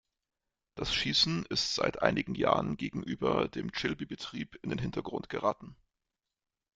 Das Schiessen ist seit einigen Jahren gegenüber dem Chilbi-Betrieb in den Hintergrund geraten.